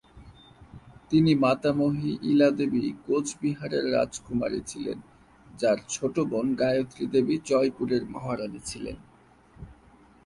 তার মাতামহী ইলা দেবী কোচ বিহারের রাজকুমারী ছিলেন, যার ছোট বোন গায়ত্রী দেবী জয়পুরের মহারানী ছিলেন।